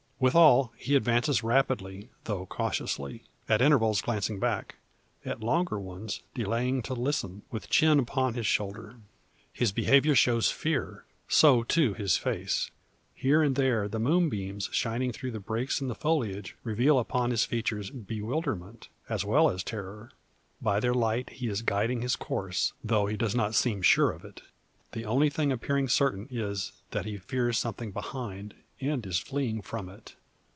Withal he advances rapidly, though cautiously; at intervals glancing back, at longer ones, delaying to listen, with chin upon his shoulder. His behaviour shows fear; so, too, his face. Here and there the moonbeams shining through breaks in the foliage, reveal upon his features bewilderment, as well as terror. By their light he is guiding his course, though he does not seem sure of it. The only thing appearing certain is, that he fears something behind, and is fleeing from it.